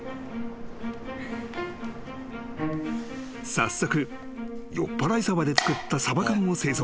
［早速よっぱらいサバで作ったサバ缶を製造］